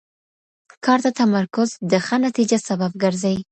کار ته تمرکز د ښه نتیجه سبب ګرځي.